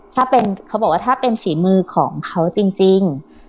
ถ้าเป็นเขาบอกว่าถ้าเป็นฝีมือของเขาจริง